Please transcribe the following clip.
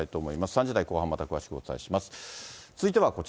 ３時台後半、また詳しくお伝えします。